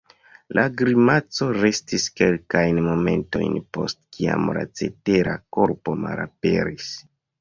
La grimaco restis kelkajn momentojn post kiam la cetera korpo malaperis.